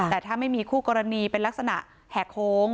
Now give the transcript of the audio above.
แต่ถ้าไม่มีคู่กรณีเป็นลักษณะแหกโค้ง